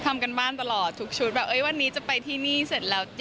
ทำการบ้านตลอดทุกชุดแบบเอ้ยวันนี้จะไปที่นี่เสร็จแล้ว